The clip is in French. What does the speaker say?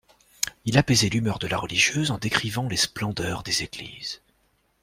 Il apaisait l'humeur de la religieuse en décrivant les splendeurs des églises.